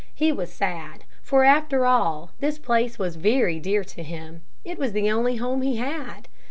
He was sad. For, after all, this place was very dear to him. It was the only home he had.